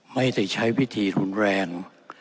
ไม่ได้ใช้วิธีรุนแรง